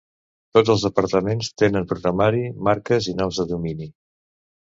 Tots els departaments tenen programari, marques i noms de domini.